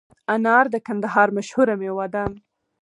انار د کندهار مشهوره مېوه ده